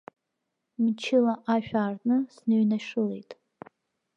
Мчыла ашә аартны сныҩнашылеит.